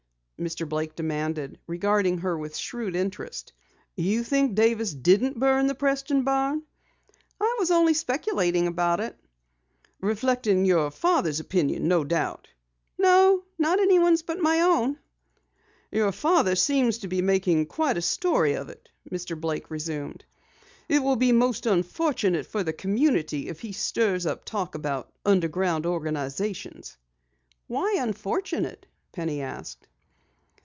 Mr. Blake demanded, regarding her with shrewd interest. "You think Davis didn't burn the Preston barn?" "I was only speculating upon it." "Reflecting your father's opinion, no doubt." "No, not anyone's thought but my own." "Your father seems to be making quite a story of it," Mr. Blake resumed. "It will be most unfortunate for the community if he stirs up talk about underground organizations." "Why unfortunate?" Penny asked.